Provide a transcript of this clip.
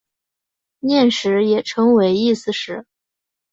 念食也称为意思食。